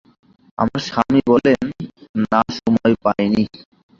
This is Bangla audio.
আমার স্বামী বললেন, না, সময় পাই নি।